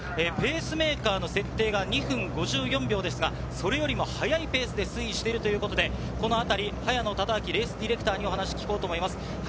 ペースメーカーの設定が２分５４秒ですが、それよりも速いペースで推移しているということで早野忠昭レースディレクターにお話を聞きます。